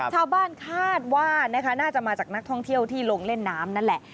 ชาวบ้านคาดว่านะคะน่าจะมาจากนักท่องเที่ยวที่ลงเล่นน้ำนั่นแหละ